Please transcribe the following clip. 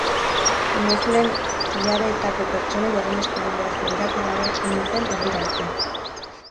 Inoiz lehen ilaretako pertsonei horrenbeste denboraz begiratu gabea nintzen ordura arte.